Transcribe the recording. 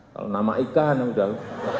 kalau nama ikan udah